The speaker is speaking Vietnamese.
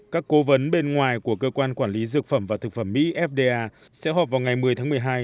các cố vấn bên ngoài của cơ quan quản lý dược phẩm và thực phẩm mỹ fda sẽ họp vào ngày một mươi tháng một mươi hai